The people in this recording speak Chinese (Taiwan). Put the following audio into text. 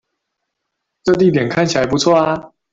這地點看起來不錯啊